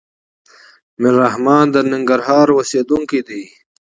ميررحمان د ننګرهار اوسيدونکی دی.